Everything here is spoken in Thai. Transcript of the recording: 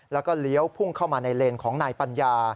แล้วก็เลี้ยวพุ่งเข้ามาในเลนของนายปัญญา